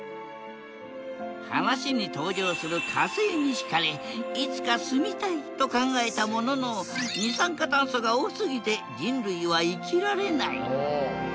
話に登場する火星に引かれいつか住みたいと考えたものの二酸化炭素が多すぎて人類は生きられない。